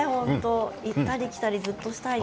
行ったり来たりずっとしたいです。